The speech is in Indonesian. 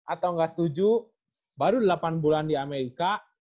tujuh atau enggak tujuh baru delapan bulan di amerika